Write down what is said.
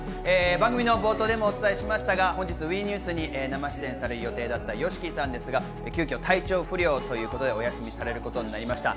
番組の冒頭でもお伝えしましたが、本日ＷＥニュースに生出演される予定だったＹＯＳＨＩＫＩさんですが、急きょ体調不良ということでお休みされることになりました。